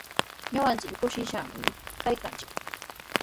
Ñuqanchik kushishqami kaykanchik.